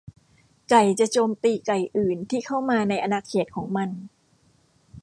ไก่จะโจมตีไก่อื่นที่เข้ามาในอาณาเขตของมัน